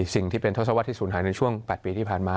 สิ่งที่เป็นทศวรรษที่ศูนย์หายในช่วง๘ปีที่ผ่านมา